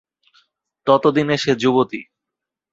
ততদিনে সে যুবতী।